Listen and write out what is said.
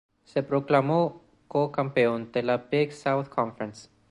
Se proclamó co-campeón de la Big South Conference.